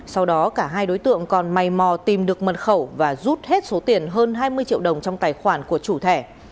sau đó cả hai đối tượng còn may mò tìm được mật khẩu và rút hết số tiền hơn hai mươi triệu đồng trong tài khoản của chủ thẻ